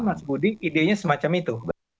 mas budi idenya semacam itu